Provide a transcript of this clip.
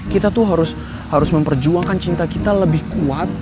kita tuh harus memperjuangkan cinta kita lebih kuat